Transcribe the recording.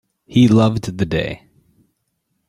He loved the day.